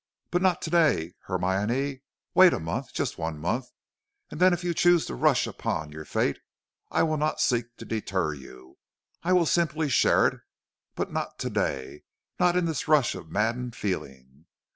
But not to day, Hermione. Wait a month, just one month, and then if you choose to rush upon your fate, I will not seek to deter you, I will simply share it; but not to day, not in this rush of maddened feeling.